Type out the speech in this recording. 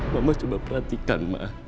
mama coba perhatikan